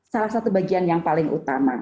salah satu bagian yang paling utama